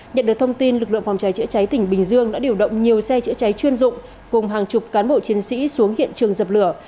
nhận được thông tin lực lượng phòng cháy chữa cháy tỉnh bình dương đã điều động nhiều xe chữa cháy chuyên dụng cùng hàng chục cán bộ chiến sĩ xuống hiện trường dập lửa